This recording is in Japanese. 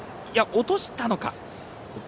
落としたのか。